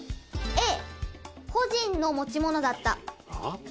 個人の持ち物だった。